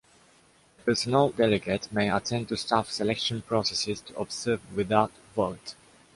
The personnel delegate may attend to staff selection processes to observe without vote.